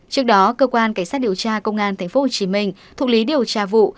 trước đó cơ quan cảnh sát điều tra công an tp hcm thụ lý điều tra vụ